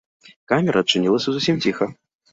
Камера адчынілася зусім ціха.